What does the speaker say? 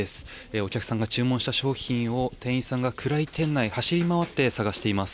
お客さんが注文した商品を店員さんが暗い店内を走り回って探しています。